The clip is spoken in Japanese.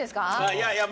いやいや。